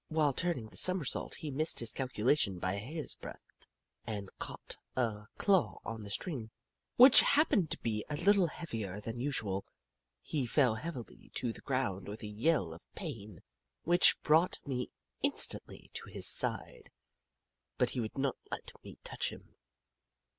While turning the somersault he missed his calculation by a hair's breadth, and caught a claw on the string, which happened to be a Httle heavier than usual. He fell heavily to the ground with a yell of pain which brought me instantly to his side, but he would not let me touch him.